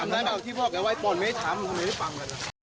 แล้วไปสูบหน้ามัน